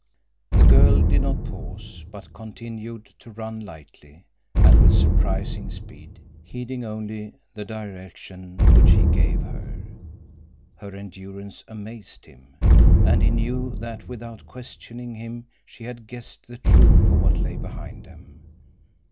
The girl did not pause, but continued to run lightly and with surprising speed, heeding only the direction which he gave her. Her endurance amazed him. And he knew that without questioning him she had guessed the truth of what lay behind them.